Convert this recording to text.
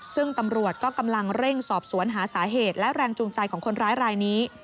ซึ่งตำรวจก็กำลังเร่งสอบสวนหาสาเหตุและแรงจูงใจของคนร้ายรายนี้